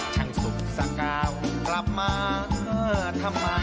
ช่างสุกสะกาวกลับมาทำไม